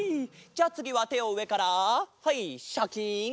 じゃあつぎはてをうえからはいシャキン